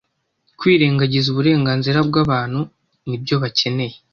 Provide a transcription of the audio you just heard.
kwirengagiza uburenganzira bw’abantu n’ibyo bakeneye